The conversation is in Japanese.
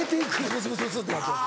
ブスブスブスってなって。